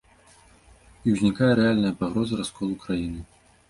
І ўзнікае рэальная пагроза расколу краіны.